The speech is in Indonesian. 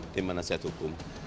tim manasihat hukum